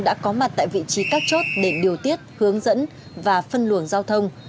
đã có mặt tại vị trí các chốt để điều tiết hướng dẫn và phân luồng giao thông